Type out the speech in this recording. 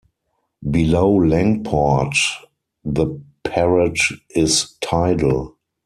Below Langport the Parrett is tidal.